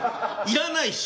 いらないし。